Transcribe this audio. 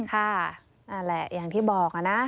ค่ะนั่นแหละอย่างที่บอกนะ